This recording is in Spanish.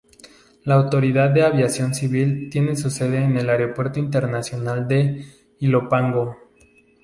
La Autoridad de Aviación Civil tiene su sede en el Aeropuerto Internacional de Ilopango.